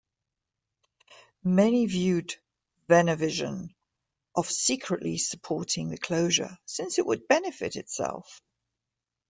Many viewed Venevision of secretly supporting the closure since it would benefit itself.